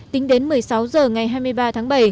tính đến một mươi sáu h ngày hai mươi ba tháng bảy